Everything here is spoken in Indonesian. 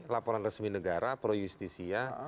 laporan resmi negara pro justisia